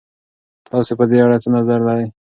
تاسې په دې اړه څه نظر لرئ؟